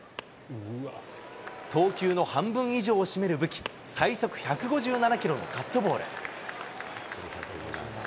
投球の半分以上を占める武器、最速１５７キロのカットボール。